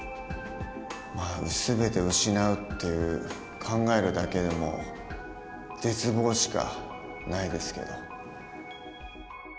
全てを失うって考えるだけでも絶望しかないですけど。